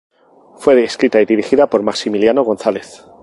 Fue escrita y dirigida por Maximiliano González.